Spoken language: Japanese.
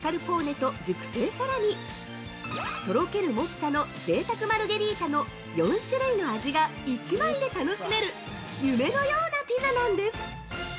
テリヤキチキンマスカルポーネと熟成サラミとろけるモッツァの贅沢マルゲリータの４種類の味が１枚で楽しめる夢のようなピザなんです。